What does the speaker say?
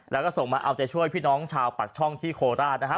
แล้วก็ส่งมาเอาใจช่วยพี่น้องชาวปากช่องที่โคราชนะฮะ